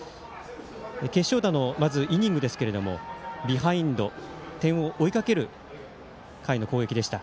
決勝打のイニングですけどもビハインド点を追いかける回の攻撃でした。